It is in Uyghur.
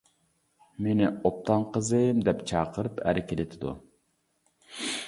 مېنى ئوبدان قىزىم دەپ چاقىرىپ، ئەركىلىتىدۇ.